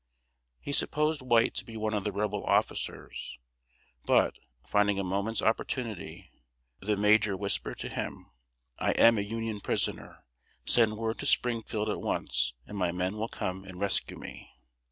He supposed White to be one of the Rebel officers; but, finding a moment's opportunity, the major whispered to him: "I am a Union prisoner. Send word to Springfield at once, and my men will come and rescue me."